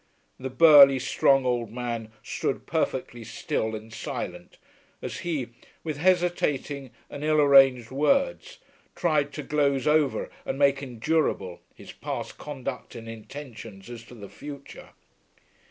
The burly, strong old man stood perfectly still and silent as he, with hesitating and ill arranged words, tried to gloze over and make endurable his past conduct and intentions as to the future.